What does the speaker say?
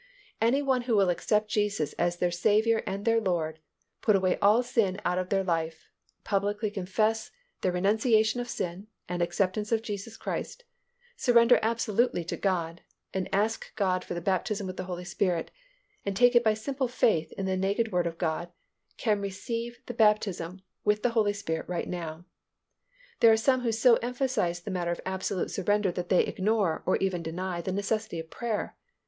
Any one who will accept Jesus as their Saviour and their Lord, put away all sin out of their life, publicly confess their renunciation of sin and acceptance of Jesus Christ, surrender absolutely to God, and ask God for the baptism with the Holy Spirit, and take it by simple faith in the naked Word of God, can receive the baptism with the Holy Spirit right now. There are some who so emphasize the matter of absolute surrender that they ignore, or even deny, the necessity of prayer.